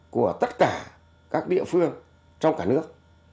của tất cả các địa phương trong cả nước